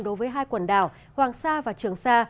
đối với hai quần đảo hoàng sa và trường sa